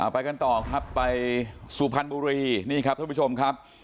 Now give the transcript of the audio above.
ไปกันต่อครับไปสุพรรณบุรีนี่ครับท่านผู้ชมครับ